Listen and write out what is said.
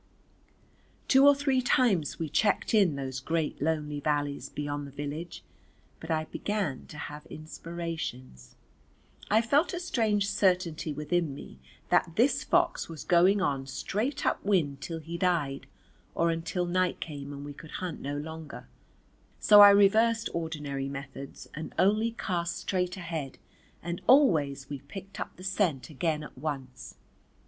Two or three times we checked in those great lonely valleys beyond the village, but I began to have inspirations, I felt a strange certainty within me that this fox was going on straight up wind till he died or until night came and we could hunt no longer, so I reversed ordinary methods and only cast straight ahead and always we picked up the scent again at once.